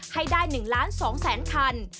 ให้ได้๑๒ล้านคัน